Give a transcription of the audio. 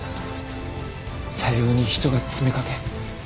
さように人が詰めかけ。